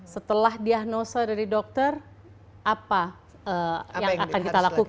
setelah diagnosa dari dokter apa yang akan kita lakukan